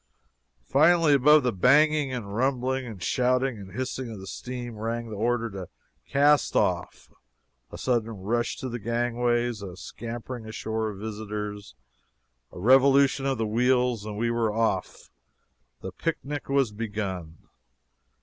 Finally, above the banging, and rumbling, and shouting, and hissing of steam rang the order to "cast off!" a sudden rush to the gangways a scampering ashore of visitors a revolution of the wheels, and we were off the pic nic was begun!